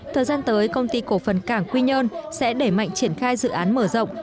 thời gian tới công ty cổ phần cảng quy nhơn sẽ đẩy mạnh triển khai dự án mở rộng